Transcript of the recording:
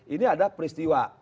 ini ada peristiwa